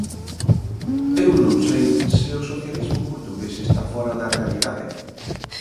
Eu non sei se o socialismo portugués está fóra da realidade.